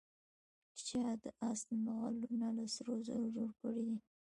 چا د آس نعلونه له سرو زرو جوړ کړي دي.